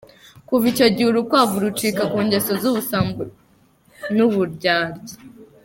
Kuva icyo gihe urukwavu rucika ku ngeso z'ubusambo n'uburyarya.